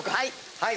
はい。